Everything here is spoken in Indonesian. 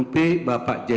terima kasih ya